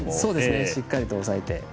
しっかりとおさえて。